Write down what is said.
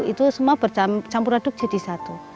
itu semua bercampur aduk jadi satu